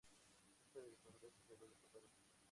Ficha del Congreso de los Diputados.